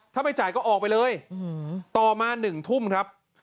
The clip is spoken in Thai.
ถ้าไม่จ่ายก็ออกไปเลยต่อมา๑ทุ่มครับ